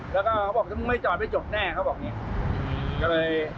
แล้วก็เขาบอกถ้ามึงไม่จอดไม่จบแน่เขาบอกอย่างนี้ก็เลย